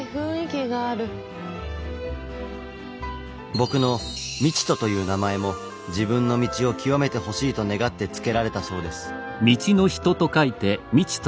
僕の「道人」という名前も「自分の道を究めてほしい」と願って付けられたそうです。